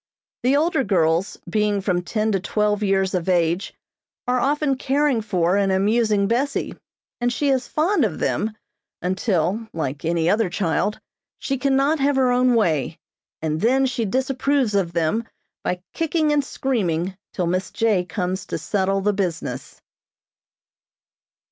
The older girls being from ten to twelve years of age, are often caring for and amusing Bessie, and she is fond of them, until, like any other child, she cannot have her own way, and then she disapproves of them by kicking and screaming till Miss J. comes to settle the business.